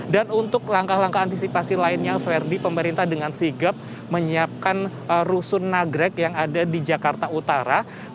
dan untuk langkah langkah antisipasi lainnya verdi pemerintah dengan sigap menyiapkan rusun nagrek yang ada di jakarta utara